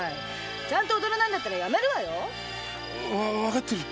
ちゃんと踊らないんだったらやめるわよ。わわかってる。